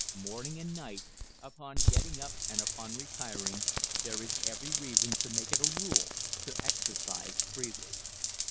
Morning and night upon getting up and upon retiring there is every reason to make it a rule to exercise freely.